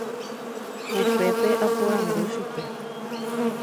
Upépe aporandu chupe.